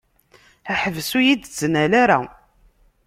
Ḥbes ur yi-d-ttnal ara.